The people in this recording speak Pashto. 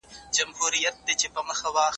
مشران به په غونډو کي ديني ارزښتونه بيانوي.